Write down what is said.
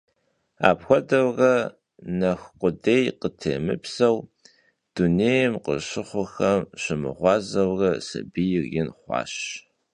Apxuedeure, nexu khudêy khıtêmıpseu, dunêym khışıxhuxem şımığuazeure sabiyr yin xhuaş.